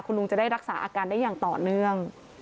คุณลุงจะได้รักษาอาการได้อย่างต่อเนื่อง